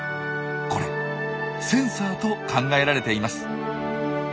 これセンサーと考えられています。